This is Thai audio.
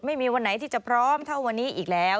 ไม่มีวันไหนที่จะพร้อมเท่าวันนี้อีกแล้ว